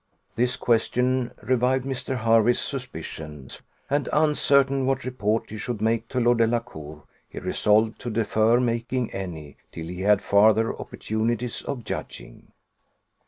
This question revived Mr. Hervey's suspicions; and, uncertain what report he should make to Lord Delacour, he resolved to defer making any, till he had farther opportunities of judging.